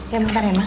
ya bentar ya ma